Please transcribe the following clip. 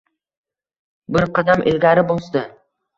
Bir qadam ilgari bosdi...